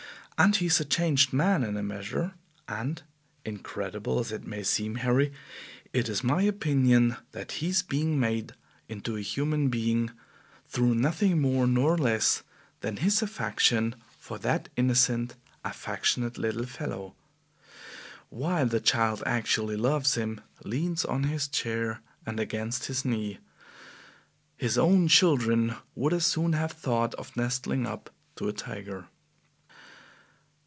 "And he is a changed man in a measure, and, incredible as it may seem, Harry, it is my opinion that he is being made into a human being, through nothing more nor less than his affection for that innocent, affectionate little fellow. Why, the child actually loves him leans on his chair and against his knee. His own children would as soon have thought of nestling up to a tiger."